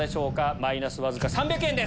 マイナスわずか３００円です。